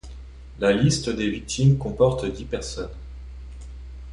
La liste des victimes comporte dix personnes.